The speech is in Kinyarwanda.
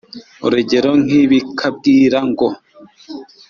Urugero nk ibikabwira ngo